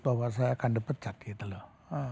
bahwa saya akan dipecat gitu loh